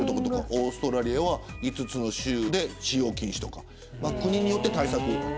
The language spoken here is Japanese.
オーストラリアは５つの州で使用禁止とか国によって対策が違う。